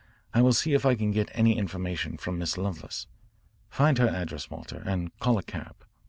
I will see if I can get any information from Miss Lovelace. Find her address, Walter, and call a cab."